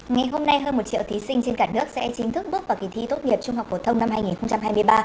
ngày hôm nay hơn một triệu thí sinh trên cả nước sẽ chính thức bước vào kỳ thi tốt nghiệp trung học phổ thông năm hai nghìn hai mươi ba